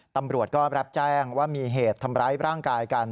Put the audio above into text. ตำรวจก็รับแจ้งว่ามีเหตุทำร้ายร่างกายกัน